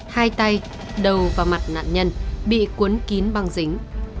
hai tay đầu vào mặt nạn nhân bị cuốn kín băng dính